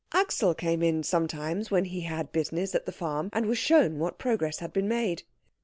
Axel came in sometimes when he had business at the farm, and was shown what progress had been made.